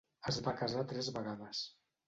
Es va casar tres vegades.